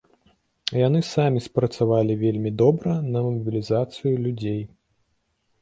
Яны самі спрацавалі вельмі добра на мабілізацыю людзей.